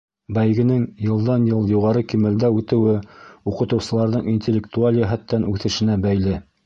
Бәйгенең йылдан-йыл юғары кимәлдә үтеүе уҡытыусыларҙың интеллектуаль йәһәттән үҫешенә бәйле.